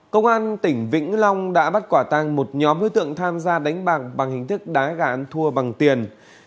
công an tỉnh vĩnh long đã bắt quả tăng một nhóm hứa tượng tham gia đánh bạc bằng hình thức đá gãn thua bằng tiền